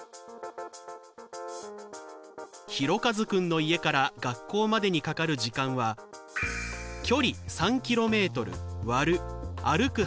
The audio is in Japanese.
ひろかずくんの家から学校までにかかる時間は距離３ｋｍ割る歩く